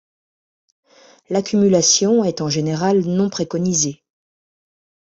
L'accumulation est en général non préconisée.